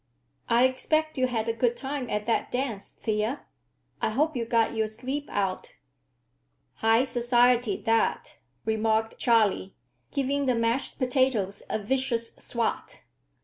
"I expect you had a good time at that dance, Thea. I hope you got your sleep out." "High society, that," remarked Charley, giving the mashed potatoes a vicious swat.